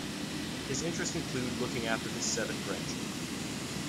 His interests include looking after his seven grandchildren.